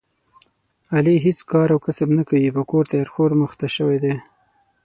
علي هېڅ کار او کسب نه کوي، په کور تیار خور مخته شوی دی.